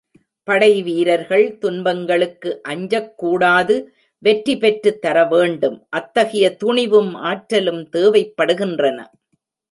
படைவீரர்கள் துன்பங்களுக்கு அஞ்சக் கூடாது வெற்றி பெற்றுத் தரவேண்டும், அத்தகைய துணிவும் ஆற்றலும் தேவைப்படுகின்றன.